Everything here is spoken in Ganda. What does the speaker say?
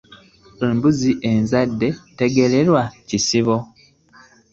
Embuzi enzadde tegererwa kisibo .